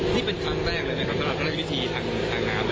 นี่เป็นครั้งแรกเลยนะครับตรงวิธีทางน้ำ